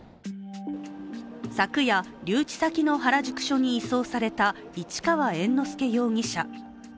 昨夜、留置先の原宿署に移送された市川猿之助容疑者。